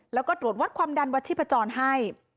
แล้วก็ตรวจวัดความดันวัดชีพจรให้